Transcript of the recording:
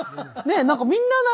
何かみんななれ。